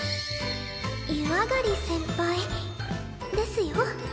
湯上がり先輩ですよ。